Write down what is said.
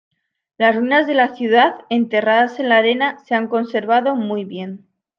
Las ruinas de la ciudad, enterradas en la arena, se han conservado muy bien.